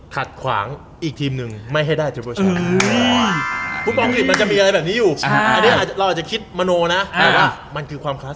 ขัดขวางอีกทีมนึงไม่ให้ได้เทอร์เบอร์แชมป์